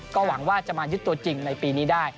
ก็หวังว่าจะมายึดตัวจริงในปีนี้ได้